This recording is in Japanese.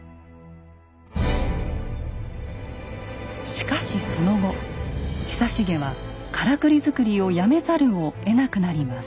しかしその後久重はからくり作りをやめざるをえなくなります。